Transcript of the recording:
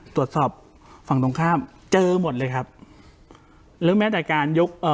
ตรวจสอบฝั่งตรงข้ามเจอหมดเลยครับหรือแม้แต่การยกเอ่อ